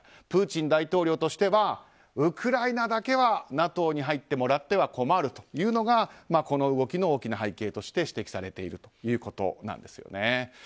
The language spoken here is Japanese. プーチン大統領としてはウクライナだけはＮＡＴＯに入ってもらっては困るというのが動きは大きな背景として指摘されているということです。